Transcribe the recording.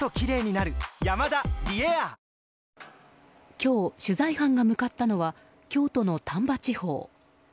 今日、取材班が向かったのは京都の丹波地方。